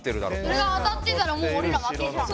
それが当たってたらもうオレら負けじゃん。